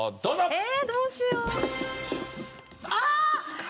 えーっどうしよう。